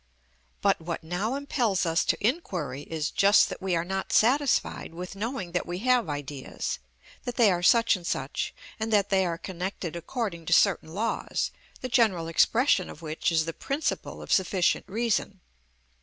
But what now impels us to inquiry is just that we are not satisfied with knowing that we have ideas, that they are such and such, and that they are connected according to certain laws, the general expression of which is the principle of sufficient reason.